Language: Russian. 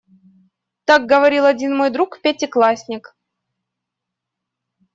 Так говорил один мой друг-пятиклассник.